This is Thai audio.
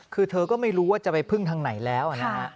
คือเธอก็ไม่รู้ว่าจะไปพึ่งทางไหนแล้วนะฮะ